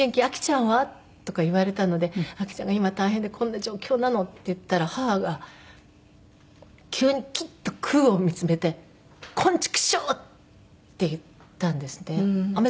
あきちゃんは？」とか言われたのであきちゃんが今大変でこんな状況なのって言ったら母が急にキッと空を見つめて「こん畜生！」って言ったんですね。